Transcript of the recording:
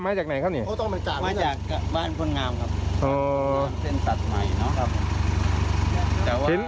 บ้านเส้นตัดใหม่นะครับ